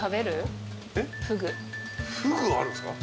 フグあるんすか？